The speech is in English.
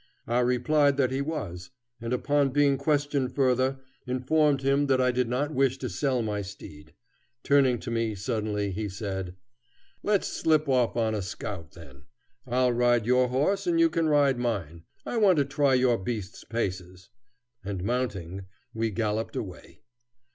I replied that he was, and upon being questioned further informed him that I did not wish to sell my steed. Turning to me suddenly, he said, "Let's slip off on a scout, then; I'll ride your horse and you can ride mine. I want to try your beast's paces;" and mounting, we galloped away.